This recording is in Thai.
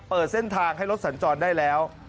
เปิดเส้นทางให้รถสัญจรได้แล้ว